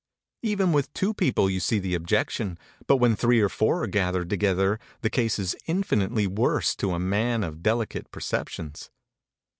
Even with two people you see the objection, but when three or four are gathered together the case is infinitely worse to a man of delicate perceptions.